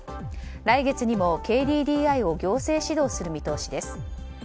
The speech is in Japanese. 来月にもＫＤＤＩを行政指導する見通しです。